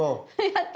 やった！